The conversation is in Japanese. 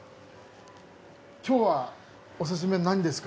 今日はお刺身は何ですか？